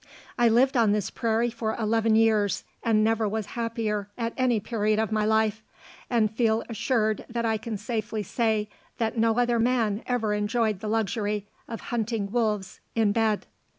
I lived on this prairie for eleven years, and never was happier at any period of my life, and feel assured that I can safely say that no other man ever enjoyed the luxury of hunting wolves in bed.